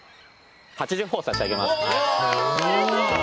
８０ほぉ差し上げます。